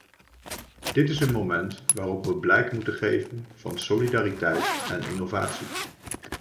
Dit is een moment waarop we blijk moeten geven van solidariteit en innovatie.